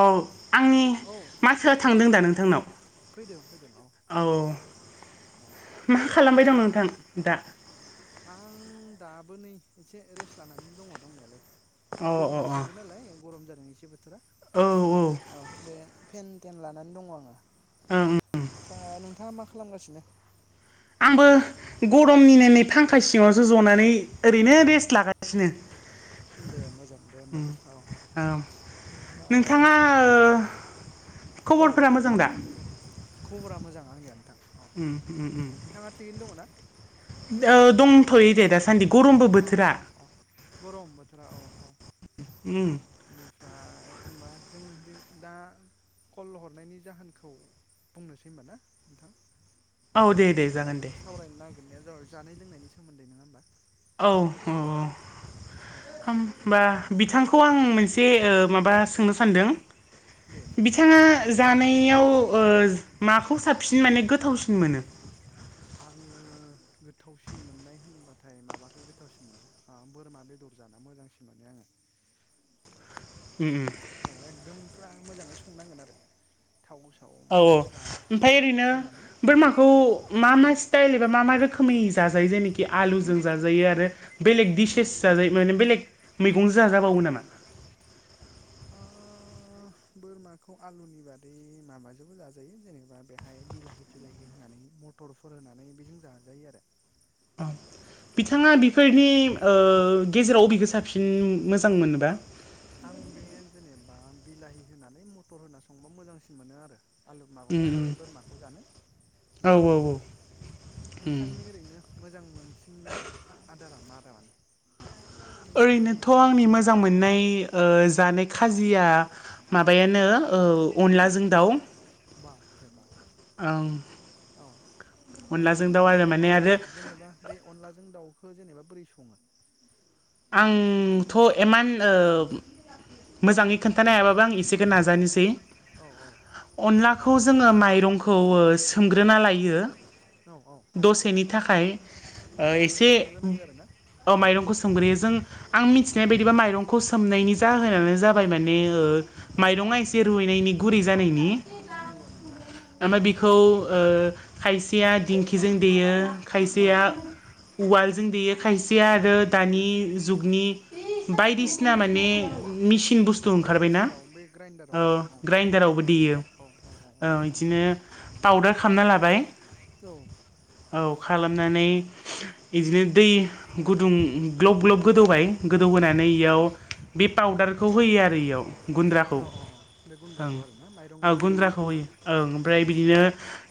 औ आंनि औ माथोआ नोंथां थांदों दा नोंथांनाव फैदों फैदों औ औ मा खालामबाय दं नोंथां दा आं दाबो नै एसे रेस्ट लानानै दङ दंनायालाय बे अ गोलोम अ बोथोरबो नालाय गरम जादों एसे बोथोरा औ औ बे फेन थेन लानानै दङ आङो ओं ओं आदसा नोंथाङा मा खालामगासिनो आंबो गरमनिनो नै फांखा सिङावसो जनानै ओरैनो रेस्ट लागासिनो दे मोजां दे होमबा औ ओमफ्राय नोंथाङा ओ औ खबरफोरा मोजां दा खबरा मोजां आंनिया नोंथां औ उम उम उम नोंथाङा थिगैनो दङ ना औ दंथ'यै दे दा सान्दि औ औ औ गरम बोथोरा औ औ उम जेनबा जोंथिं दा कल हरनायनि जाहोनखौ बुंनोसै होनबा ना नोंथां औ दे बे दे जेनेबा जागोन जों दे सावरायनो नागिरनाया जाबाय जानाय लोंनायनि सोमोन्दै नङा होमबा औ औ औ औ होनबा बिथांखौ आं मोनसे एसे ओ माबा औ सोंनो सानदों दे सोंजागोन बिथाङा औ जानायाव ओ माखौ साबसिन माने गोथावसिन मोनो आङो गोथावसिन मोननाय होनब्लाथाय माबाखौ गोथावसिन मोनो बोरमा बेदर जाना मोजांसिन मोनो आङो उम उम औ एकदम फुरा मोजाङै संनांगोन आरो थाव साव औ औ मस्ला ओमफ्राय ओरैनो होनानै बोरमाखौ मा मा उम स्टाइल एबा मा मा रोखोम रोखोमै जाजायो जेनोखि आलुजों जाजायो आरो बेलेग औ डिसेस औ जाजायो माने बेलेग मैगंजों जाजाबावो नामा अ बोरमाखौ आलुनि बादै माबाजोंबो जाजायो जेनेबा बेहाय बिलाहि थिलाहि होनानै मर मथटरफोर होनानै बेजों जाजायो आरो औ औ बिथाङा बेफोरनि गेजेराव बबेखौ साबसिन मोजां मोनोबा आं बे जेनेबा बिलाहि होनानै मथर होना संबा मोजांसिन मोनो आरो आलु उम माबाखौ बे उम बोरमाखौ जानो औ बिदि आरो औ उम नोंथांनि ओरैनो मोजां मोनफिननाय आदारा मा आदार माने एकदम ओरैनोथ' मोजां आंनि मोनसिननाय मोजां आरो मोननाय जानाय खाजिया माबायानो उम अनलाजों दाउ बाबरे बाब औ अनलाजों आरो दाउ औ माने आरो औ जेनेबा बे अनलाजों दाउखौ जेनेबा बोरै सङो आंथ' इमान मोजाङै खोन्थानो हायाबाबो आं एसे खो औ औ नाजानिसै औ अनलाखौ जोङो मायरंखौ ओ सोमग्रोना लायो औ औ दसेनि थाखाय ओ माइरंखौ एसे सोमग्रोनांगौ आरो ना ओ माइरंखौ सोमग्रोयो जों आं औ मिथिनाय बायदिबा माइरंखौ सोमनायनि जाहोनानो जाबाय माने औ माइरंआएसे रुइनायनि गुरै जानायनि नंगौ नंगौ औ ओमफ्राय बेखौ ओ खायसेया दिंखिजों देयो औ खायसेया उवालजों देयो खायसेया आरो नंगौ नंगौ दानि जुगनि औ बायदिसिना माने मिसिन बुस्थु ओंखारबायनाा मेसिनाव बे ग्राइन्डाराव औ ग्राइनडारावबो देयो औ बिदिनो पाउदार खालामना लाबाय औ औ खालामनानै बिदिनो दै गुदुं ग्लब ग्लब गोदौबाय गोदौ होनोनानै नंगौ औ इयाव बे पाउदारखौ होयो आरो बेयाव गुन्द्राखौ औ औ औ बे ओं गुन्द्राखौ आरो ना औ माइरंनि गुन्द्राखौ होयो ओं उम ओमफ्राय उम बिदिनो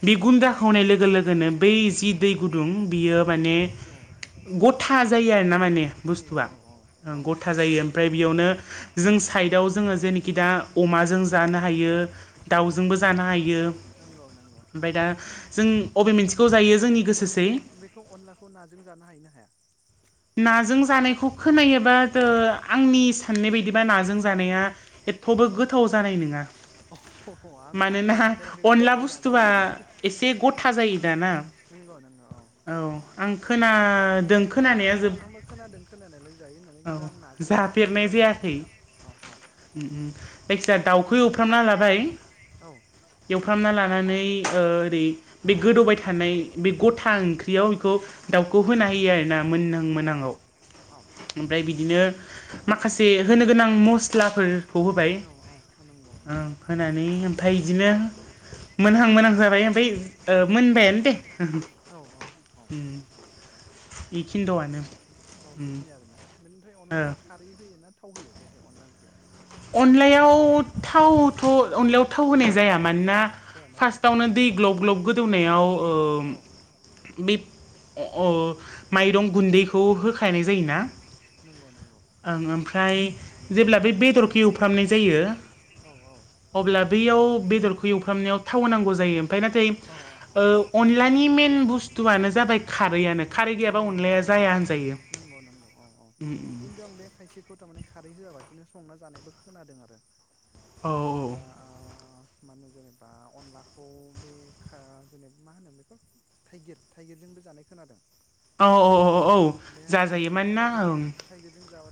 बे गुन्द्राखौ खौ होनाय लोगो लोगोनो बै जि दै गुदुं बियो माने नंगौ औ गद गथा जायो आरोना माने नंगौ बुस्थुआ औ औ औ गथा जायो ओमफ्राय बेयावनो औ जों साइदआव जोङो जेनोखि दा अमाजों जानो हायो औ दाउजोंबो जानो हायो नंगौ नंगौ ओमफ्राय दा जों बबे मोनसेखौ जायो जोंनि गोसोसै बेखौ अनलाखौ नाजों जानो हायोना हाया नाजों जानायखौ खोनायोबा ओआंनि साननाय बायदिबा नाजों जानाया एथ'बो औ गोथाव जानाय नङा अ आं आंबो मानोना जाफेराखै अनला जानायालाय नाजों बुस्थुआ एसे औ गथा जायो दाना नंगौ नंगौ औ खोनादों औ आं खोनानाया जोब आंबो खोनादों खोनानायालाय जायो होननानै औ खिन्थु आं नाजों जाफेरनाय जाफेराखै आरो जायाखै आंबो औ औ जायखिजाया दाउखै एवफ्रामना लाबाय औ एवफ्रामना लानानै ओ ओरै बे गोदौबाय थानाय बे गथा ओंख्रियाव नंगौ दउ होना नंगौ होयो आरोना मोनहां औ औ मोनहांआव औ औ ओमफ्राय बिदिनो माखासे होनो गोनां मस्लाफोर फ होबाय औ औ नंगौ ओ नंगौ फोनानै ओमफाय इदिनो मोनहां मोनहां जाबाय ओमफाय ओ मोनबायानो दे औ औ औ ख [inaudible] बिदि औ बेखिनि आरोना बेनिफ्राय ओ अनलाखौ खारै होयोना थाव होयो बेहाय अनला ओंख्रियाव अनलायाव थावथ अनलायाव थाव होनाय जाया मानोना जायाना फास्टआवनो दै ग्लब ग्लब गोदौनायाव ओम औ बे अ ओ माइरं गुन्दैखौ होखानाय जायोना नोंगौ नोंगौ ओं ओमफ्राय जेब्ला बे बेदरखौ एवफ्रामनाय जायो औ औ अब्ला बैयाव बेदरखौ एवफ्रामनायाव थाव नांगौ जायो ओफ्राय नाथाय अ अ अ ओ अलानि मे मेन बुस्थुआनो जाबाय खारैआनो खारै गैयाबा अनलाया जाया होनजायो नोंगौ नोंगौ औ औ खिन्थु आं बे खायसेखौ थारमाने खारै होआबासि बिदिनो संना जानायबो खोनादों आरो औ बे जेनेबा आ मा होनो जेनेबा अनलाखौ बे खा जेब मा होनो बेखौ थाइगिर थाइगिरजों जानाय खोनादों औ औ औ औ जाजायो मानोना ओं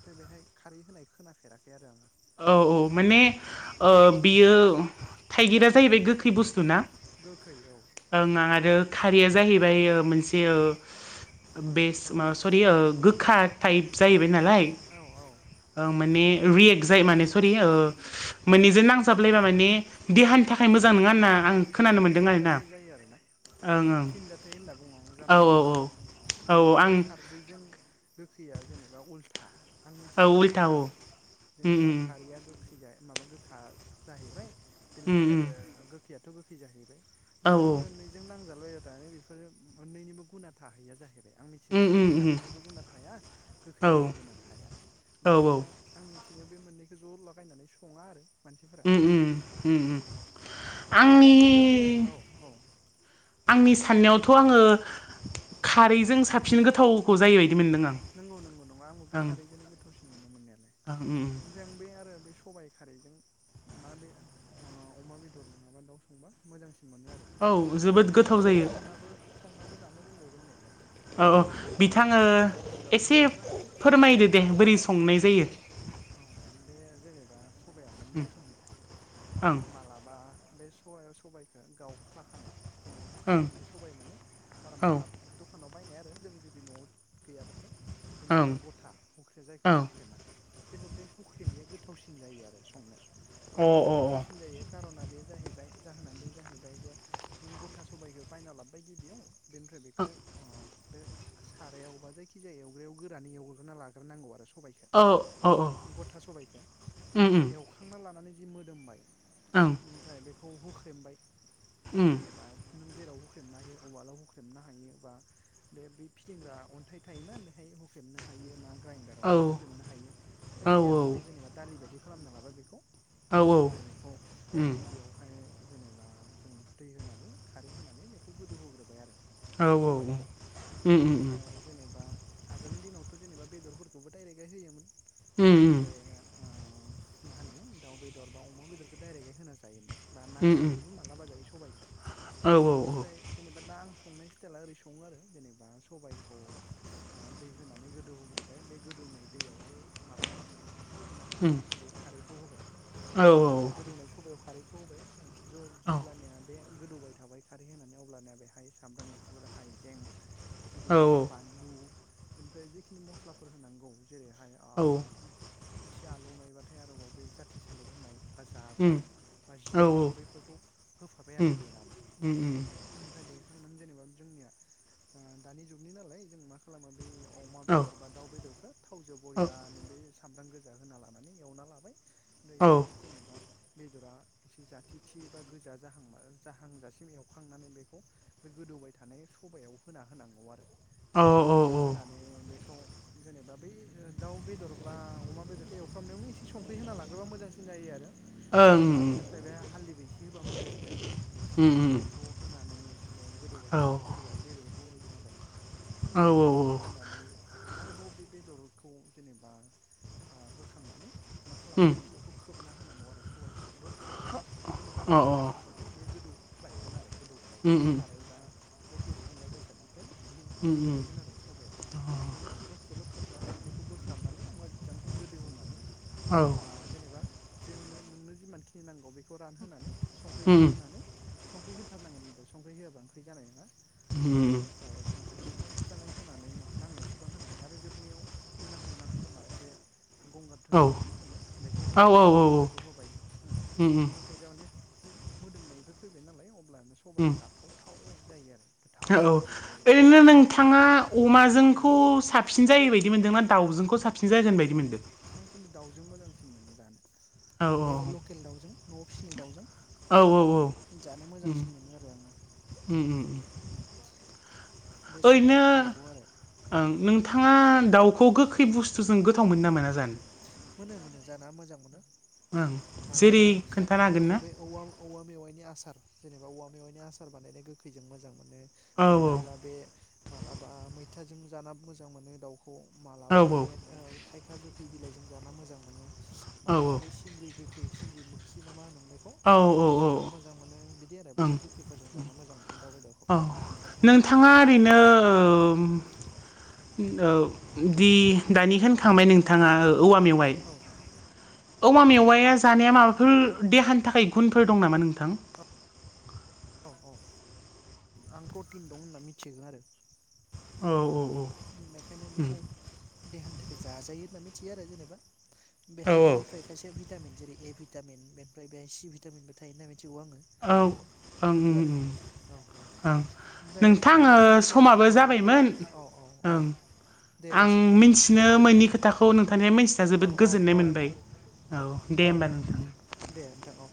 नाथाय बेहाय खारै होनाय खोनाफेराखै आरो आङो औ औ माने औ औ ओ बियो थाइगिरा जाहैबाय गोखै बुस्थु ना गोखै औ ओं आरो खारैया जाहैबाय ओ मोनसे ओ बेस औ माबा सरि ओ गोखा टाइप जाहैबाय नालाय औ औ ओ माने जाय माने सरि ओ माने जे नांजाबलायबा माने देहानि थाखाय मोजां नङा ना माने फिनजाथाय जायो आरो ना आरोना ओं फिनजाथ होनना बुङो औ जानांगौ बेखौ औ औ माने बे खारदैजों गोखैया जेनेबा उल्था आं औ मिथिनायाव उल्था औ आरो जेनेबा उम खारैया गोख गोखैजाया माबा गोखा जाहैबाय उम बिनिफ्राय उम आरो गोखैयाथ गोखै जाहैबाय औ ओमफ्राय बे मोननैजों नांजाब लायबाथाय बेफोरो मोननैनिबो गुना थाहैया जाहैबाय आं मिथिनाय उम आरो उम औ खारैनिबो गुना थाया औ उम गोखैनिबो गुना थाया बेखायनो आं थिनोनो बे मोननैखौ ज‌ लागायनानै सङा आरो मानसिफोरा उम उम ओम ओंख्रिया खिन्थु बे आंनि औ औ आंनि साननायावथ आङो खारैजों साबसिन गोथावखौ जायोबाय नोंगौ नोंगौ नङा आंबो बे खारैजोंनो गोथावसिन मोनो मोननायालाय ओं उम ओमफ्राय आं बे आरो बे सबाइ खारैजों ना बे ओ अमा बेदर नङाबा दाउ संबा मोजांसिन मोनो आरो औ आं जोबोद जेनेबा गोथाव बेखौ जायो संनाबो संनाबो जानो रोंगौ रोंनायालाय औ औ बेखौ नोंथाङा बिथाङो खोनासंनो लुुबैबा एसे खोन्थानोबो हायो औ फोरमायदो दे बोरै संनाय जायो औ औ बेे जेनेबा सबाया मोननै रोखोमनि थायो उम जेनेबा मालाबा बे सबायाव सबाइखौ गावख्लाखानाय जेनेबा ओं हुख्रेमखानाय सबाय मोनो आरोम ओं माला दखानाव बायनाय आरो जों जुदि नआव गैयाबाथाय बेनिफ्राय आरो औ गथा हुख्रे जायखौ ओं हुख्रेमा खिन्थु बे हुख्रेमैया गोथावसिन जायो आरो संनो मानो औ गोथावसिन जायो खारना बे जाहैबाय जाहोना बे जाहैबाय जे नों गथा सबायाइखौ बायना लाबोबाय गिबियाव बेनिफ्राय बेखौ ओ बे सा रायाव बा जायखिजाया एवग्रायाव गोरानै एवग्रोना लाग्रोनांगौ आरो अ औ औ औ सबायखौ गथा सबायखौ उम ओमफ्राय उम एवखांना लानानै जि मोदोमबाय ओं ओमफ्राय बेखौ होख्रेमबाय उम जेनेबा ओम जेराव हुख्रेबनो हायो उवालाव हुख्रेबनो हायो बा बे बि फिदिंग्रा अन्थाइ थायोना बेहाय होख्रेमनो हायो ना ग्राइडाराव औ ना हुख्रेमनो हायो औ जायखिजाया आरो बे जेनेबा दालि बायदि खालामना लाबा बेखौ औ ओमफ्राय बेखौ उम गिबियावहाय जेनेबा जों दै होनानै खारै होनानै बेखौ गोदौहोग्रोबाय आरो सबायखौ ओमफ्राय [inaudible] जेनेबा आगोलनि दिनावथ' जेनेबा बेदरफोरखौबो डायरेक्टै उम उम होयोमोन उम बे आ मा होनो दाउ बेदर बा अमा बेदरखौ डाइरेक्टै होना जायोमोन बा ना उम गोरानजोंबो मालाबा जायो सबायाइखौ औ बेनिफ्राय जेनेबा दा आं संनाय स्टाइला ओरै सङो आरो जेनेबा सबाइ दैखौ दै होनानै गोदौहोग्रोबाय बे गोदौै दैयावहाय माबा होबाय मा होनो उम बे खारैखौ होबाय औ बे औ गोदौनाय सबाइयाव खारैखौ होबाय ज औ जेब्लानिया बे गोदौबाय थाबाय खारै होनानै अबानया बेहाय सामब्राम गुफुर हाइजें बिदिनो औ बानलु बेनिफ्राय जेखिनि मस्लाफोर होनांगौ जेरैहाय औ खसे आलौ नायबाथाय आरोबाव बे जाथि सालक होननाय बा जाब्रां उम बा औ जिरा बैफोरखौ होफाबाय उम आरो देनानै उम उम ओमफ्राय देखांनान जेनेबा जोंनिया दानि जुगनि नालाय जों मा खालामा बै अमा औ बेदर बा दाउ बेदरखौ थावजों औ बरियानो बे सामब्राम गोजा फुजा होना लानानै एवना लाबाय ओमफ्राय औ एसे जेनेबा बेदरा एसे जाथिथि बा गोजा जाहां जाहांजासिम एवखांनानै बेखौ बे गोदौ सबाय थानाय स होना होनांगौ आरो औ होना औ ओं होनानै बे दा बै दाउ बेदर बा अमा बेदरखौ एवफ्रामनायावनो एसे संख्रि होना लाग्रोबा मोजांसिन जायो आरो उम जेनेबा बेनिफ्राय बे हाल्दैबो एसे होबा मोजांसिन जायो उम बेखौ होनानै बे गोदौबाय औ थानाय सबायाव बेदरखौ होनो हाब औ औ होना होनानै आरोबाव बे बेदरखौ जेनेबा होखांनानै मा उम खालामबाय बेखौ खोबना होनांगौ आरो सबबायखौ द थिहाय खिन्थु अ उम औ उम बारा औ औ गोबाव खोबबाथाय बे गोदौफ्लायगोन आरो गोदौफ्लायगोन बे सारायबा जायखि संग्रा बेसादनिफ्राय उम गोलैगोन आरो सबाया बेखायनो दसेल' खोबनानै बेखौ बोखारनानै मजांहै गोदौ होनोनानै उम औ जेनेबा जोंनो नोंनो जिमानखिनि नांगौ बेखौ रानहोनानै संख्रिखौ होनानै संख्रि होथारनांगोन न संख्रि होआब्लाा ओंख्रि जानाय नङा बेनिफ्राय संख्रिखौ मोजाङै होनानै नांनायसेबां होनानै आरो जोबनायाव मोनां मोनां समाव बे गंगार दुन्दिया नामा होनो बेखौ होबाय बा दधुन्दियाखौ होबाय होमबाथाय जार माने बे मोदोमनायबो फैबाय नालाय अब्लानो सबाया जाथावथाव जायो आरो गोथाव औ औ जायो बरियानो ओरैनो नोंथाङा उम अमाजोंखौ साबसिन जायो बायदि मोनदोंना दाउजोंखौ साबसिन जायागोन बदि मोनदों आं खिन्थु दाउजों मोजांसिन मोनो जानो औ बे औ लकेल दाउजों न'आव फिसिनाय दाउजों औ औ जानो उम मोजांसिन मोनो आरो आंङो उम उम उम बे सबाइ ओंख्रिखौ आरो ओरैनो उम नोंथाङा दाउखौ खौ गोखै बुस्थुजों गोथाव मोनो नामा ना जानो नो मोन जा मोजां मोनो ओं मालाबा जेरै खोन्थानो हागोन दाउखौ ना? बे औवा औवा मे नि आसार जेनेबा औवा मेवाइनि आसार बानायनाय गोखैजों मोजां मोनो औ नङाब्ला बे मालाबा मैथाजों जान मोजां मोनो दाउखौ औ मालाबा बे थाइ फैथखा गोखै बिलाइजों जाना मोजां मोनो औ मालाबा बै सिंग्रि गोखै सिंग्रि मोखि नामा होनोम बेखौ औ औ बेखौ औ जानो मोजां मोनो बिदि आरो ओं बिदि गोखैफोरजों जानो मोजां मोनो दाव बेदरखौखौ औ नोंथाङा ओरैनो औ दि दानिखायनो खांबाय नोंथाङा औवा मेवाय औ मा मेवाया जानाया माबाफोर देहानि थाखाय गुनफोर दं नामा नोंथां? औ औ आं प्रटिन दं होनना मिथिदों आरो औ औ औ उम बेखायनो उम बेखौ देहानि थाखाय जाजायो होनना मिथियो आरो जेनेबा औ बेहाय औ बिनिफ्राय खायसे भिटामिन जेरै ए भिटामिन बेनिफ्राय बेहाय सि भिटामिनबो थायो होनना मिथिगौ आङो। औ बिदि आरो औ औ ओमफ्राय होमबा ओ नोंथां जोंनिया समाबो औ जाबायमोन औ औ औ औ ओं दे आं जासिगोन दे होमबा मिथिनो मोनि खोथाखौ नोंथांनो मिथि औ जोबोद औ गोजोननाय औ मोनबाय औ दे औ होमबा नोंथां दे नोंथां औ